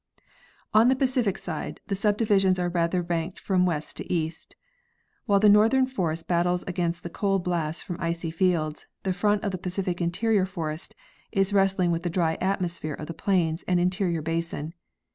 On the Pacific side the subdivisions are rather ranked from west to east. While the northern forest battles against the cold blasts from icy fields, the front of the Pacific interior forest is wrestling with the dry atmosphere of the plains and interior basin.